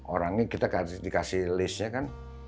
orangnya kita dikasih listnya kan